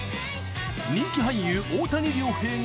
人気俳優、大谷亮平が。